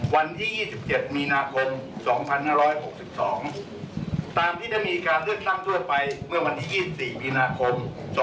วันที่๒๗มีนาคม๒๕๖๒ตามที่ได้มีการเลือกตั้งทั่วไปเมื่อวันที่๒๔มีนาคม๒๕๖